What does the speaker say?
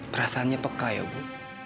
perasaannya peka ya bu